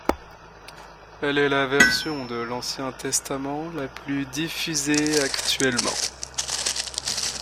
Elle est la version de l'Ancien Testament la plus diffusée actuellement.